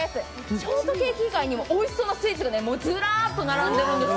ショートケーキ以外にもおいしそうなスイーツがずらっと並んでいるんですよ。